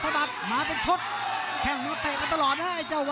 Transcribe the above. สันเฝรยกแค่งไม่ขึ้นแล้ว